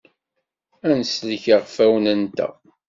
Ad nsellek iɣfawen-nteɣ.